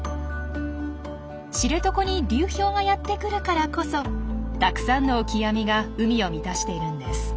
知床に流氷がやって来るからこそたくさんのオキアミが海を満たしているんです。